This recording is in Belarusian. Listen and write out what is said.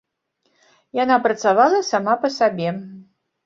Яна працавала сама па сабе.